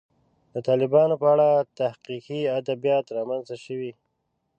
د طالبانو په اړه تحقیقي ادبیات رامنځته شوي.